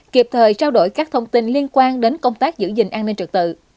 kiệp thời trao đổi các thông tin liên quan đến công tác giữ gìn an ninh trật tự